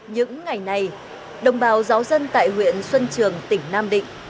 những ngày này đồng bào giáo dân tại huyện xuân trường tỉnh nam định